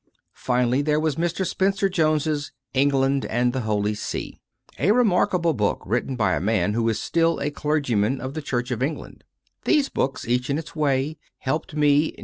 Finally, there was Mr. Spencer Jones s "England and the Holy See" a remarkable book, written by a man who is still a clergyman of the Church of England. These books, each in its way, helped me